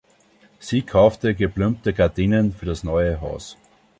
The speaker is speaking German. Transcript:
Sie kaufte geblümte Gardinen für das neue Haus.